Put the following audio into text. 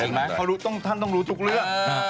เห็นไหมเขารู้ท่านต้องรู้ทุกเรื่อง